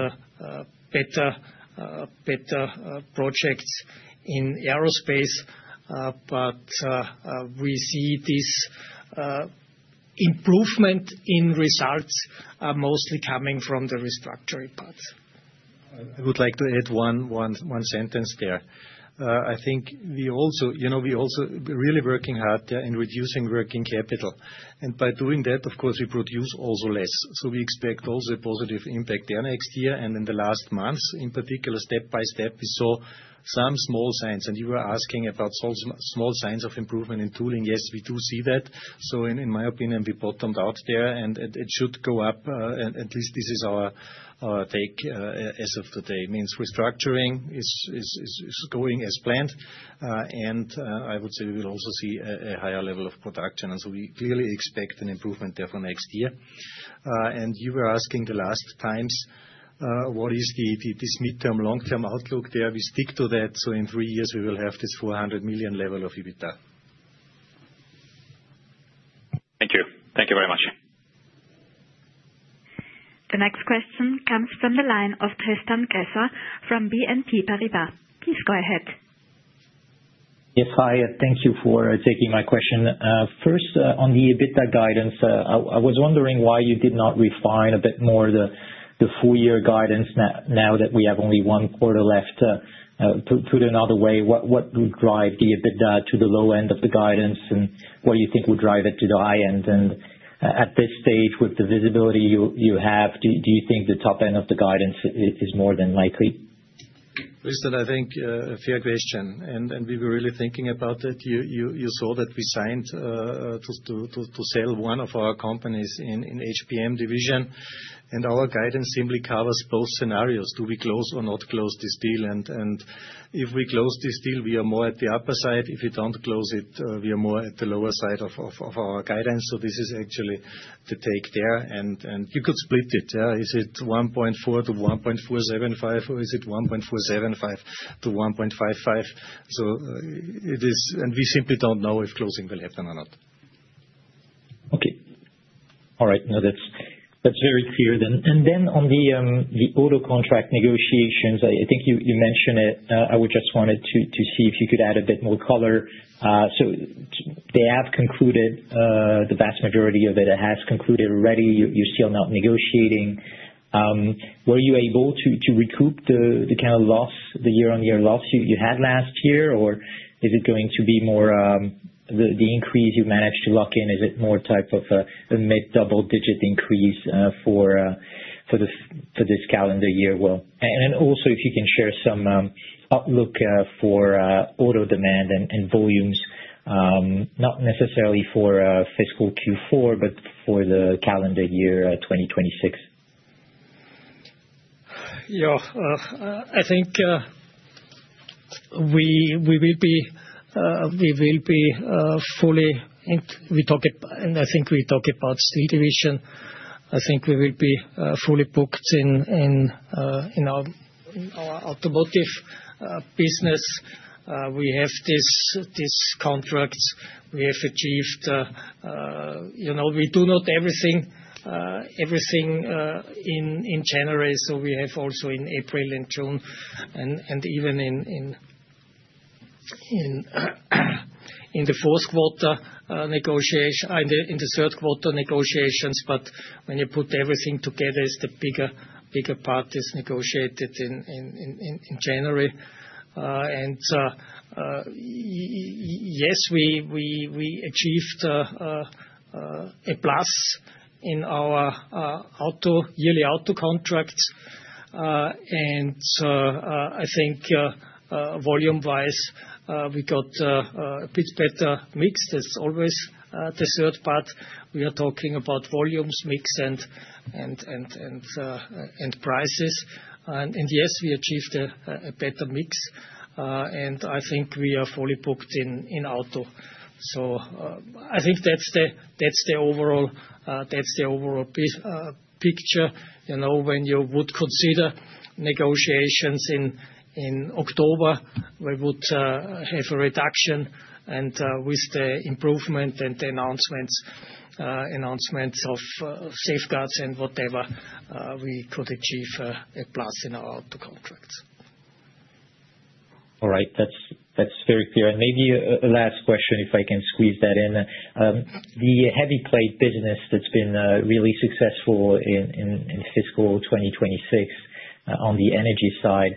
better. Better projects in aerospace, but we see this improvement in results are mostly coming from the restructuring parts. I would like to add one sentence there. I think we also, you know, we also really working hard there in reducing working capital. By doing that, of course, we produce also less, so we expect also a positive impact there next year. In the last months, in particular, step by step, we saw some small signs. You were asking about small signs of improvement in tooling. Yes, we do see that. So in my opinion, we bottomed out there, and it should go up. At least this is our take, as of today. Means restructuring is going as planned, and I would say we will also see a higher level of production. So we clearly expect an improvement there for next year. And you were asking the last times, what is this midterm, long-term outlook there. We stick to that. So in three years, we will have this 400 million level of EBITDA. Thank you. Thank you very much. The next question comes from the line of Tristan Gresser from BNP Paribas. Please go ahead. Yes, Hi. Thank you for taking my question. First, on the EBITDA guidance, I, I was wondering why you did not refine a bit more the full-year guidance now, now that we have only one quarter left. Put another way, what would drive the EBITDA to the low end of the guidance, and what do you think would drive it to the high end? And, at this stage, with the visibility you have, do you think the top end of the guidance is more than likely? Tristan, I think, fair question. And we were really thinking about that. You saw that we signed to sell one of our companies in HPM Division, and our guidance simply covers both scenarios. Do we close or not close this deal? And if we close this deal, we are more at the upper side. If we don't close it, we are more at the lower side of our guidance. So this is actually the take there. And you could split it, yeah. Is it 1.4 billion- 1.475 billion, or is it 1.475 billion- 1.55 billion? So it is, and we simply don't know if closing will happen or not. Okay. All right. No, that's, that's very clear then. And then on the, the auto contract negotiations, I, I think you, you mentioned it. I would just wanted to, to see if you could add a bit more color. So they have concluded, the vast majority of it has concluded already. You, you're still not negotiating. Were you able to, to recoup the, the kind of loss, the year-on-year loss you, you had last year, or is it going to be more, the, the increase you managed to lock in, is it more type of a, a mid-double-digit increase, for, for this for this calendar year? Well, and, and also if you can share some outlook, for auto demand and, and volumes, not necessarily for fiscal Q4, but for the calendar year 2026. Yeah. I think we will be fully booked in the steel Division. I think we will be fully booked in our automotive business. We have these contracts. We have achieved, you know, we do not do everything in January, so we have also in April and June and even in the fourth quarter, negotiations in the third quarter. But when you put everything together, it's the bigger part is negotiated in January. Yes, we achieved a plus in our auto yearly auto contracts. I think, volume-wise, we got a bit better mix. That's always the third part. We are talking about volumes, mix, and prices. Yes, we achieved a better mix. I think we are fully booked in auto. So, I think that's the overall big picture. You know, when you would consider negotiations in October, we would have a reduction. And with the improvement and the announcements of safeguards and whatever, we could achieve a plus in our auto contracts. All right. That's very clear. And maybe a last question, if I can squeeze that in. The Heavy Plate business that's been really successful in fiscal 2026, on the energy side,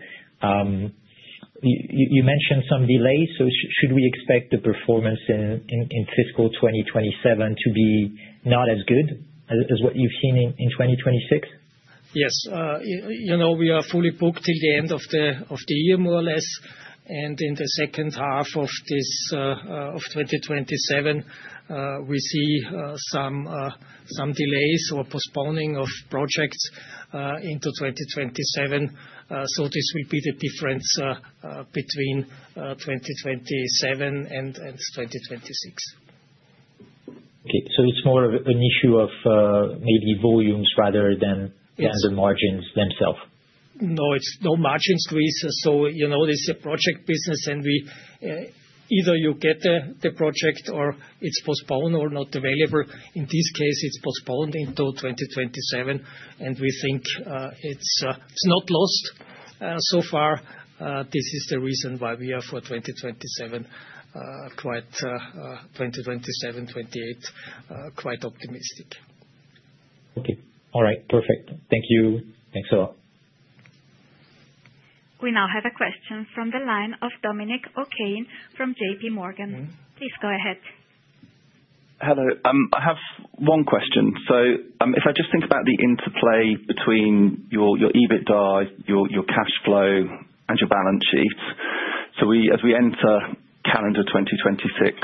you mentioned some delays. So should we expect the performance in fiscal 2027 to be not as good as what you've seen in 2026? Yes. You know, we are fully booked till the end of the year, more or less. In the second half of 2027, we see some delays or postponing of projects into 2027. This will be the difference between 2027 and 2026. Okay. It's more of an issue of maybe volumes rather than the margins themselves? No, it's no margin squeeze. So, you know, this is a project business, and we either you get the project or it's postponed or not available. In this case, it's postponed into 2027, and we think it's not lost so far. This is the reason why we are for 2027, quite 2027, 2028, quite optimistic. Okay. All right. Perfect. Thank you. Thanks a lot. We now have a question from the line of Dominic O'Kane from J.P. Morgan. Please go ahead. Hello. I have one question. So, if I just think about the interplay between your EBITDA, your cash flow, and your balance sheets, so as we enter calendar 2026,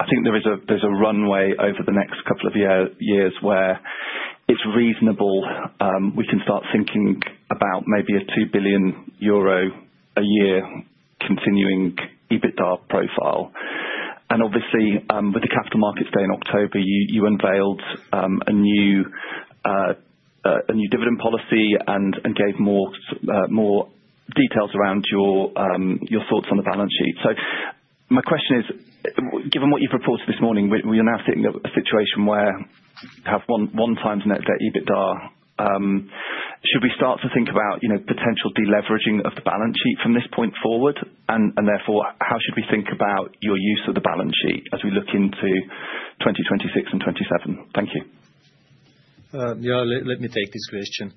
I think there is a runway over the next couple of years where it's reasonable we can start thinking about maybe a 2 billion euro a year continuing EBITDA profile. And obviously, with the Capital Markets Day in October, you unveiled a new dividend policy and gave more details around your thoughts on the balance sheet. So my question is, given what you've reported this morning, we're now sitting in a situation where you have 1x net debt EBITDA. Should we start to think about, you know, potential deleveraging of the balance sheet from this point forward? Therefore, how should we think about your use of the balance sheet as we look into 2026 and 2027? Thank you. Yeah, let me take this question.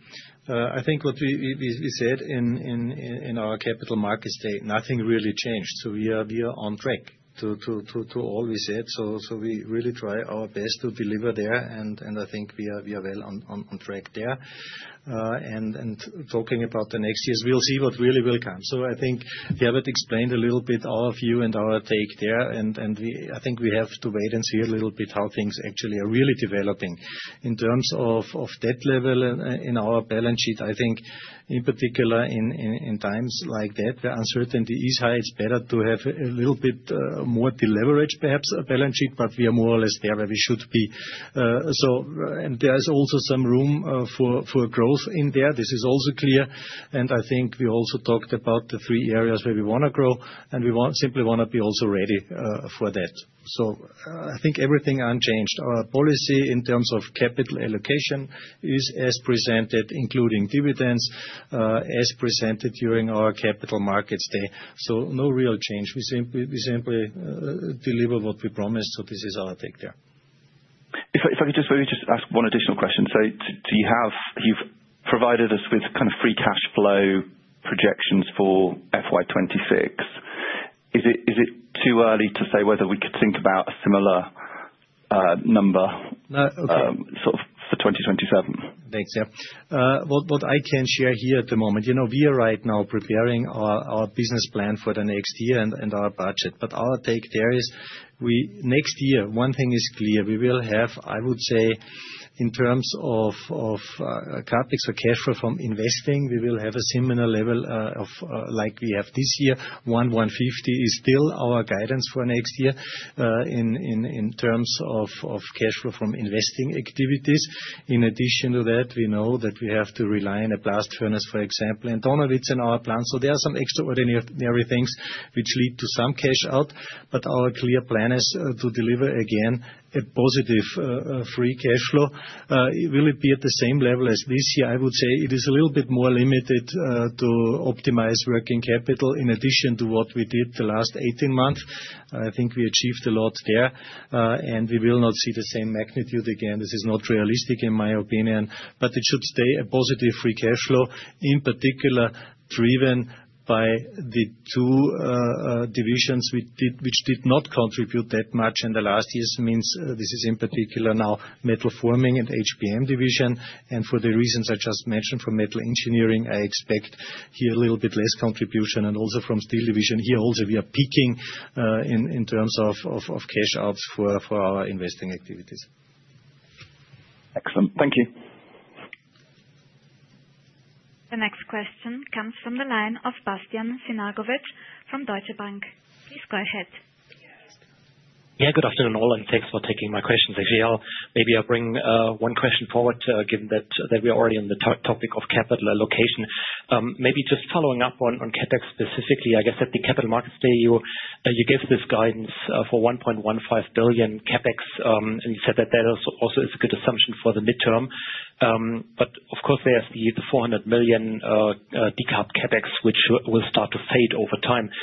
I think what we said in our Capital Markets Day, nothing really changed. So we are on track to all we said. So we really try our best to deliver there, and I think we are well on track there. And talking about the next years, we'll see what really will come. So I think Gerald explained a little bit our view and our take there, and I think we have to wait and see a little bit how things actually are really developing. In terms of debt level in our balance sheet, I think in particular in times like that, where uncertainty is high, it's better to have a little bit more deleveraged, perhaps, a balance sheet, but we are more or less there where we should be. And there is also some room for growth in there. This is also clear. And I think we also talked about the three areas where we want to grow, and we simply want to be also ready for that. So I think everything unchanged. Our policy in terms of capital allocation is as presented, including dividends, as presented during our Capital Markets Day. So no real change. We simply deliver what we promised. So this is our take there. If I could just ask one additional question. So, you've provided us with kind of free cash flow projections for FY 2026. Is it too early to say whether we could think about a similar number, sort of for 2027? Thanks. Yeah. What I can share here at the moment, you know, we are right now preparing our business plan for the next year and our budget. But our take there is, next year, one thing is clear. We will have, I would say, in terms of CapEx or cash flow from investing, a similar level, like we have this year. 1.15 billion is still our guidance for next year, in terms of cash flow from investing activities. In addition to that, we know that we have to rely on a blast furnace, for example, and Donawitz in our plan. So there are some extraordinary things which lead to some cash out, but our clear plan is to deliver, again, a positive, free cash flow. It will be at the same level as this year. I would say it is a little bit more limited, to optimize working capital in addition to what we did the last 18 months. I think we achieved a lot there, and we will not see the same magnitude again. This is not realistic, in my opinion. But it should stay a positive free cash flow, in particular driven by the two, Divisions we did which did not contribute that much in the last years. Means this is, in particular, now Metal Forming and HPM Division. And for the reasons I just mentioned for metal engineering, I expect here a little bit less contribution. Also from Steel Division, here also we are peaking in terms of cash outs for our investing activities. Excellent. Thank you. The next question comes from the line of Bastian Synagowitz from Deutsche Bank. Please go ahead. Yeah. Good afternoon all, and thanks for taking my questions, actually. I'll maybe bring one question forward, given that we are already on the topic of capital allocation. Maybe just following up on CapEx specifically. I guess at the Capital Markets Day, you gave this guidance for 1.15 billion CapEx, and you said that that also is a good assumption for the midterm. But of course, there's the 400 million de-cap CapEx which will start to fade over time.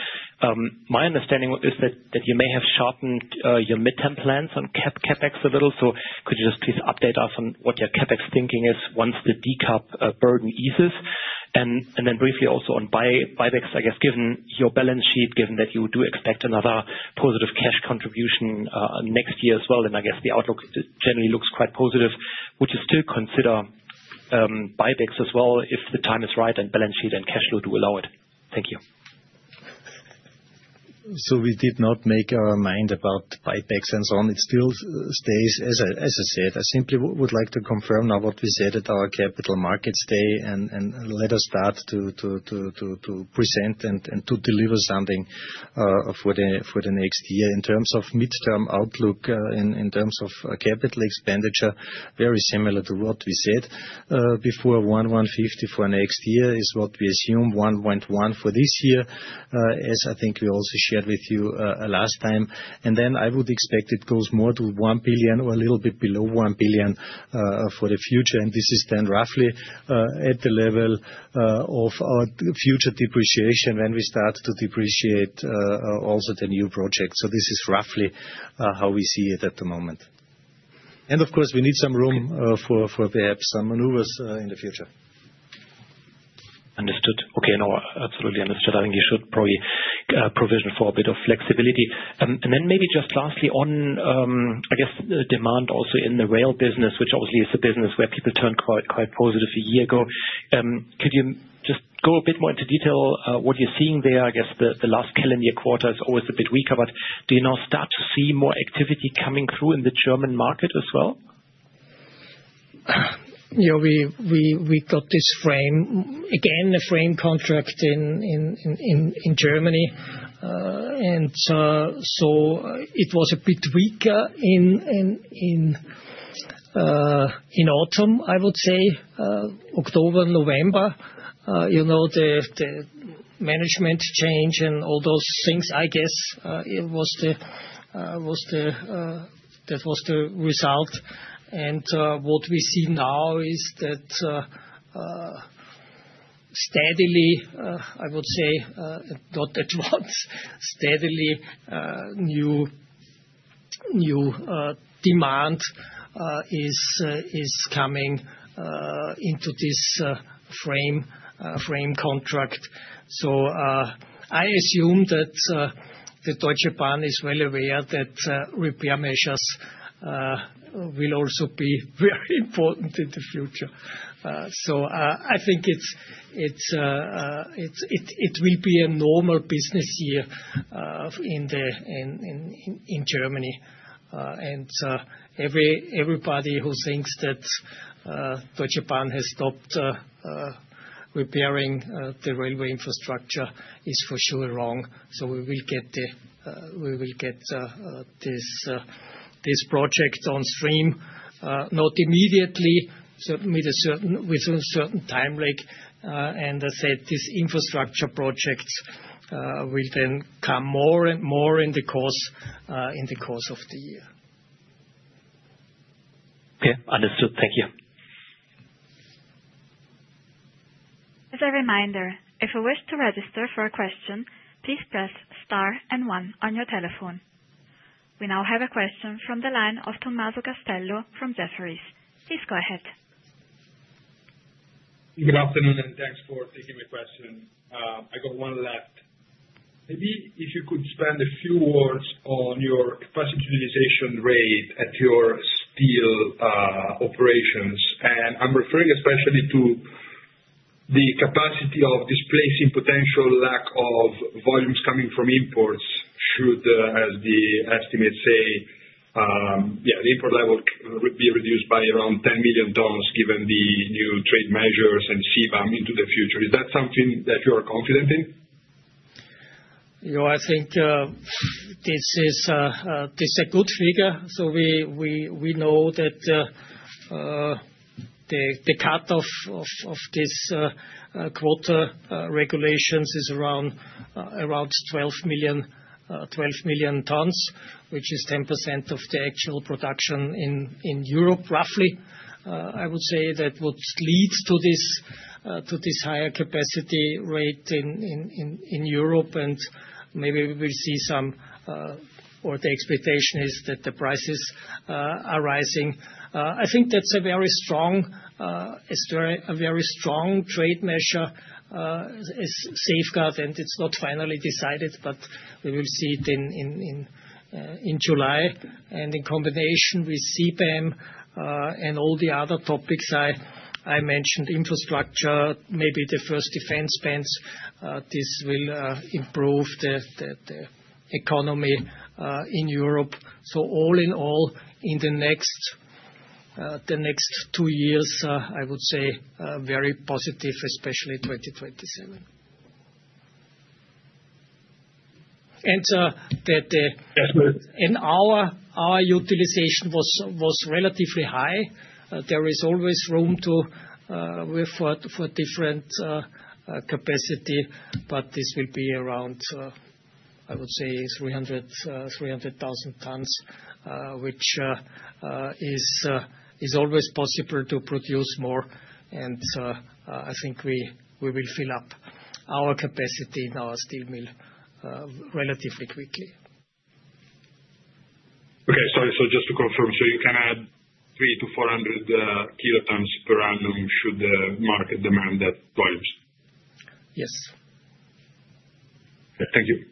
My understanding is that you may have sharpened your midterm plans on CapEx a little. So could you just please update us on what your CapEx thinking is once the de-cap burden eases? And then briefly also on buybacks, I guess, given your balance sheet, given that you do expect another positive cash contribution next year as well, and I guess the outlook generally looks quite positive, would you still consider buybacks as well if the time is right and balance sheet and cash flow do allow it? Thank you. So we did not make our mind about buybacks and so on. It still stays, as I said. I simply would like to confirm now what we said at our Capital Markets Day and let us start to present and to deliver something for the next year. In terms of midterm outlook, in terms of capital expenditure, very similar to what we said before. 1.15 billion for next year is what we assume. 1.1 billion for this year, as I think we also shared with you last time. And then I would expect it goes more to 1 billion or a little bit below 1 billion for the future. And this is then roughly at the level of our future depreciation when we start to depreciate also the new projects. So this is roughly how we see it at the moment. And of course, we need some room for perhaps some maneuvers in the future. Understood. Okay. No, absolutely understood. I think you should probably provision for a bit of flexibility. And then maybe just lastly on, I guess, demand also in the rail business, which obviously is a business where people turned quite, quite positive a year ago. Could you just go a bit more into detail, what you're seeing there? I guess the last calendar quarter is always a bit weaker, but do you now start to see more activity coming through in the German market as well? Yeah. We got this frame again, a frame contract in Germany. So it was a bit weaker in autumn, I would say, October, November. You know, the management change and all those things, I guess, it was the, that was the result. What we see now is that, steadily, I would say, not at once, steadily, new demand is coming into this frame contract. So, I assume that the Deutsche Bahn is well aware that repair measures will also be very important in the future. So, I think it will be a normal business year in Germany. Everybody who thinks that Deutsche Bahn has stopped repairing the railway infrastructure is for sure wrong. So we will get this project on stream, not immediately, certainly with a certain time lag. As I said, these infrastructure projects will then come more and more in the course of the year. Okay. Understood. Thank you. As a reminder, if you wish to register for a question, please press star and one on your telephone. We now have a question from the line of Tommaso Castello from Jefferies. Please go ahead. Good afternoon and thanks for taking my question. I got one left. Maybe if you could spend a few words on your capacity utilization rate at your steel operations. And I'm referring especially to the capacity of displacing potential lack of volumes coming from imports should, as the estimates say, yeah, the import level be reduced by around 10 million tons given the new trade measures and CBAM into the future. Is that something that you are confident in? Yeah. I think, this is, this is a good figure. So we know that the cut of this quota regulations is around 12 million tons, which is 10% of the actual production in Europe, roughly. I would say that would lead to this higher capacity rate in Europe. And maybe we will see some, or the expectation is that the prices are rising. I think that's a very strong trade measure, as safeguard. And it's not finally decided, but we will see it in July. And in combination with CBAM, and all the other topics I mentioned, infrastructure, maybe the first defense spends, this will improve the economy in Europe. So all in all, in the next two years, I would say, very positive, especially 2027. Yes, please. Our utilization was relatively high. There is always room for different capacity. But this will be around, I would say 300,000 tons, which is always possible to produce more. I think we will fill up our capacity in our steel mill relatively quickly. Okay. Sorry. So just to confirm, you can add 300-400 kilotons per annum should the market demand that volumes? Yes. Okay. Thank you.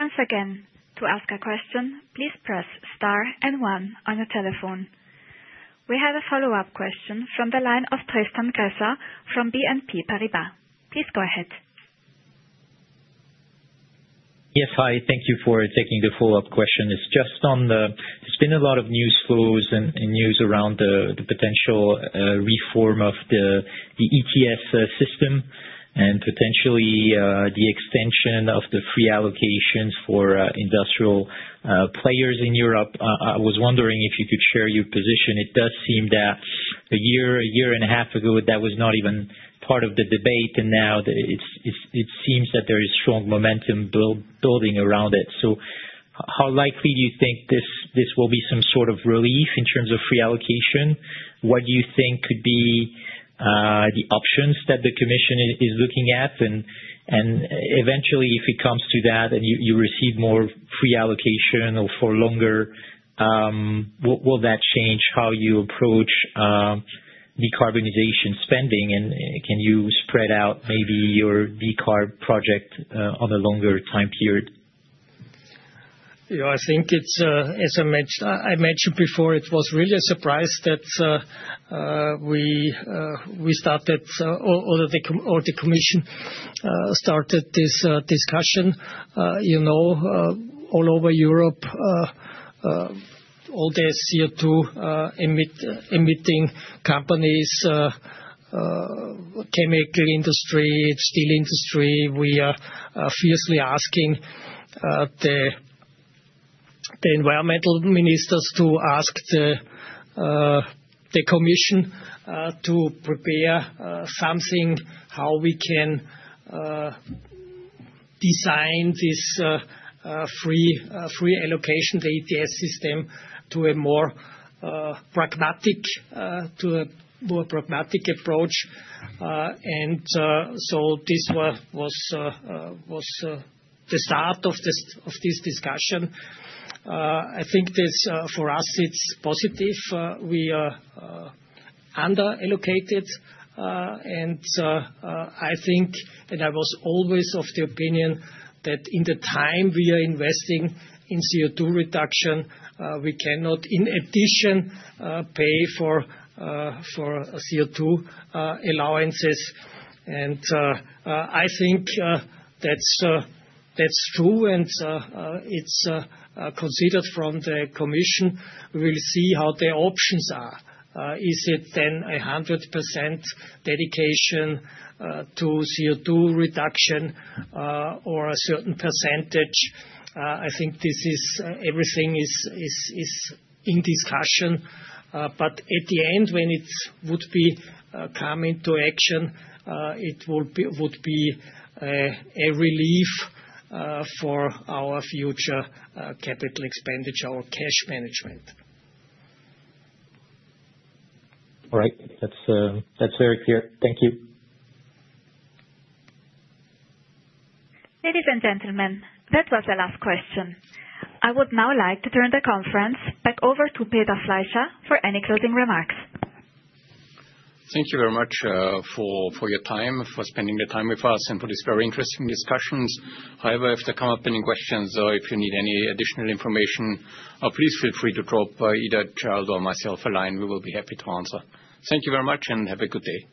Once again, to ask a question, please press star and one on your telephone. We have a follow-up question from the line of Tristan Gresser from BNP Paribas. Please go ahead. Yes, hi. Thank you for taking the follow-up question. It's just on the—there's been a lot of news flows and news around the potential reform of the ETS system and potentially the extension of the free allocations for industrial players in Europe. I was wondering if you could share your position. It does seem that a year and a half ago, that was not even part of the debate. And now it's, it seems that there is strong momentum building around it. So how likely do you think this will be some sort of relief in terms of free allocation? What do you think could be the options that the Commission is looking at? And eventually, if it comes to that and you receive more free allocation or for longer, will that change how you approach decarbonization spending? And can you spread out maybe your de-carb project on a longer time period? Yeah. I think it's, as I mentioned before, it was really a surprise that we started or the Commission started this discussion. You know, all over Europe, all this CO2 emitting companies, chemical industry, steel industry, we are fiercely asking the environmental ministers to ask the Commission to prepare something how we can design this free allocation, the ETS system, to a more pragmatic approach. And so this was the start of this discussion. I think this for us it's positive. We are underallocated. And I think and I was always of the opinion that in the time we are investing in CO2 reduction, we cannot in addition pay for CO2 allowances. And I think that's true. It's considered from the Commission. We will see how the options are. Is it then 100% dedication to CO2 reduction, or a certain percentage? I think everything is in discussion. But at the end, when it would come into action, it will be a relief for our future capital expenditure, our cash management. All right. That's very clear. Thank you. Ladies and gentlemen, that was the last question. I would now like to turn the conference back over to Peter Fleischer for any closing remarks. Thank you very much for your time, for spending the time with us and for these very interesting discussions. However, if there come up any questions or if you need any additional information, please feel free to drop either Gerald or myself a line. We will be happy to answer. Thank you very much and have a good day.